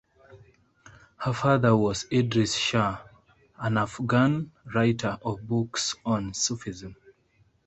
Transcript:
Her father was Idries Shah, an Afghan writer of books on Sufism.